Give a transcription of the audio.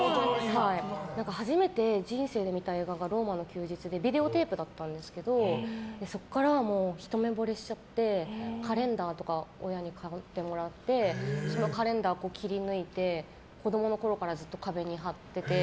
初めて人生で見た映画が「ローマの休日」でビデオテープだったんですけどそこからはひと目ぼれしちゃてカレンダーとか親に買ってもらってそのカレンダーを切り抜いて子供のころからずっと壁に貼ってて。